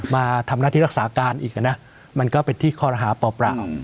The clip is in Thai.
มาทำหน้าที่รักษาการอีกนะมันก็เป็นที่คอรหาเปล่า